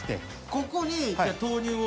ここにじゃあ豆乳を。